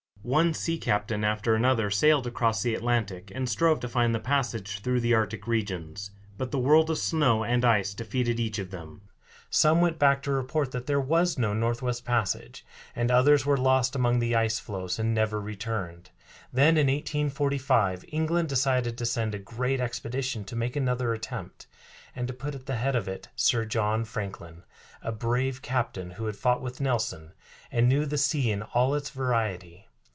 One sea captain after another sailed across the Atlantic, and strove to find the passage through the Arctic regions; but the world of snow and ice defeated each of them. Some went back to report that there was no Northwest Passage, and others were lost among the ice floes and never returned. Then in 1845 England decided to send a great expedition to make another attempt, and put at the head of it Sir John Franklin, a brave captain who had fought with Nelson and knew the sea in all its variety.